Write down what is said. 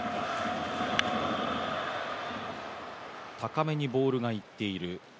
高めにボールがいっている。